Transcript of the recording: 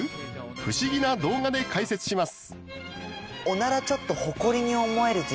不思議な動画で解説します。